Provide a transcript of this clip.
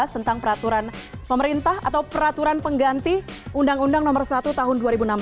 tentang peraturan pemerintah atau peraturan pengganti undang undang nomor satu tahun dua ribu enam belas